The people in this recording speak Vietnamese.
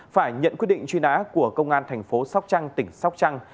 phải nhận quyết định truy nã của công an tp sóc trăng tỉnh sóc trăng